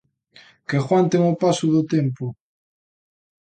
Que aguanten o paso do tempo.